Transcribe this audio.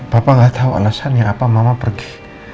papa gak tau alasannya apa mama pergi